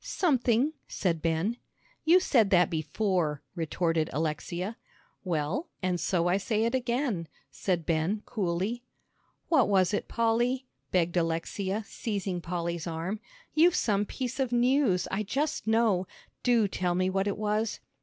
"Something," said Ben. "You said that before," retorted Alexia. "Well, and so I say it again," said Ben, coolly. "What was it, Polly?" begged Alexia, seizing Polly's arm. "You've some piece of news, I just know; do tell me what it is!"